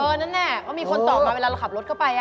นั่นน่ะก็มีคนตอบมาเวลาเราขับรถเข้าไป